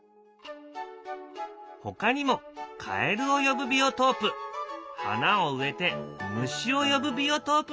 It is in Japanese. ほかにもカエルを呼ぶビオトープ花を植えて虫を呼ぶビオトープも。